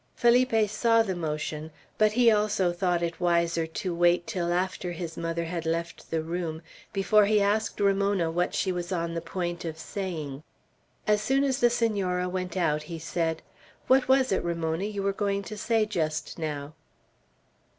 Felipe saw the motion, but he also thought it wiser to wait till after his mother had left the room, before he asked Ramona what she was on the point of saying. As soon as the Senora went out, he said, "What was it, Ramona, you were going to say just now?"